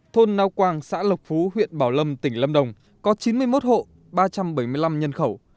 thôn nao quang xã lộc phú huyện bảo lâm tỉnh lâm đồng có chín mươi một hộ ba trăm bảy mươi năm nhân khẩu